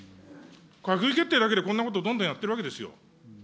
閣議決定だけでこんなことどんどんやってるわけですよ。